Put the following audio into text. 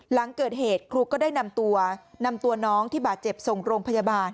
หลังเกิดเหตุครูก็ได้นำตัวนำตัวน้องที่บาดเจ็บส่งโรงพยาบาล